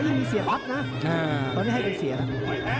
ตอนนี้ให้เป็นเสียล่ะ